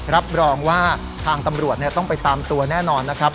รับรองว่าทางตำรวจต้องไปตามตัวแน่นอนนะครับ